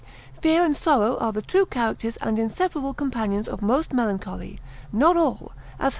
Fear and sorrow are the true characters and inseparable companions of most melancholy, not all, as Her.